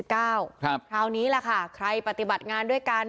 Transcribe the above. คราวนี้แหละค่ะใครปฏิบัติงานด้วยกัน